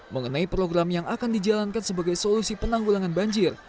mengenai program yang akan dijalankan sebagai solusi penanggulangan banjir